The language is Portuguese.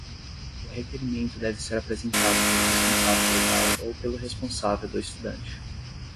O requerimento deve ser apresentado pelo responsável legal ou pelo responsável do estudante.